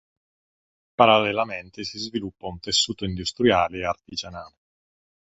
Parallelamente si sviluppa un tessuto industriale e artigianale.